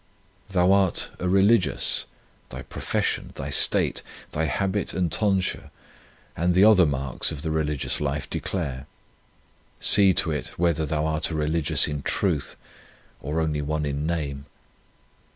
That thou art a religious, thy profession, thy state, thy habit and tonsure, and the other marks of the religious life declare. See to it whether thou art a religious in truth or only one in name.